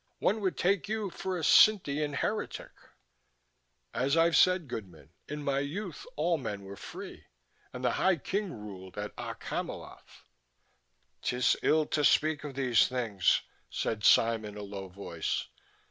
One would take you for a Cintean heretic." "As I've said, goodmen: in my youth all men were free; and the High King ruled at Okk Hamiloth " "'Tis ill to speak of these things," said Sime in a low tone.